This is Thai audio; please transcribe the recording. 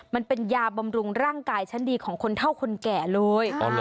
มันเป็นยาบำรุงร่างกายชั้นดีของคนเท่าคนแก่เลย